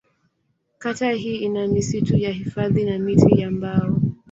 Kata hii ina misitu ya hifadhi na miti ya mbao.